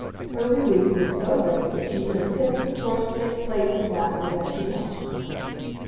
Her relief was so great that she could have kissed the coarse, thick plates and glasses as she washed them.